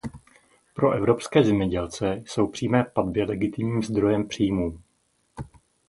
Pro evropské zemědělce jsou přímé platby legitimním zdrojem příjmů.